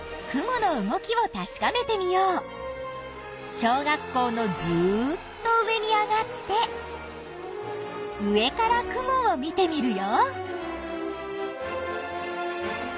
小学校のずっと上に上がって上から雲を見てみるよ。